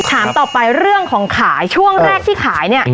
ถามต่อไปเรื่องของขายช่วงแรกที่ขายเนี่ย